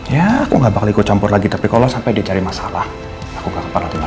ya aku gak bakal ikut campur lagi tapi kalo sampe dia cari masalah aku gak kepala atau gak diem